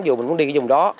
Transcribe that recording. dù mình muốn đi vùng đó